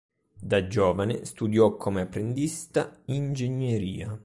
Da giovane studiò come apprendista ingegneria.